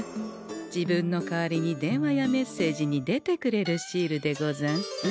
自分の代わりに電話やメッセージに出てくれるシールでござんす。